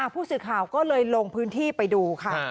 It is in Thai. ผู้สื่อข่าวก็เลยลงพื้นที่ไปดูค่ะ